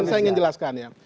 saya ingin jelaskan ya